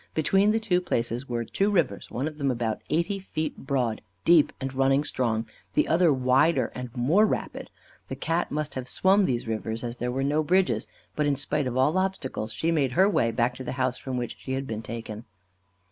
Between the two places were two rivers, one of them about eighty feet broad, deep, and running strong; the other wider and more rapid. The Cat must have swum these rivers, as there were no bridges; but in spite of all obstacles, she made her way back to the house from which she had been taken.